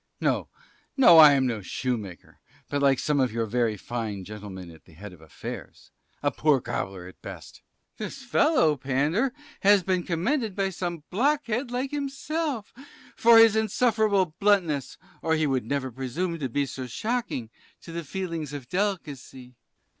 No, no, I am no shoe maker, but like some of your very fine gentlemen at the head of affairs a poor cobbler at best. Sir B. This fellow, Pander, has been commended by some blockhead, like himself for his insufferable bluntness, or he would never presume to be so shocking to the feelings of delicacy.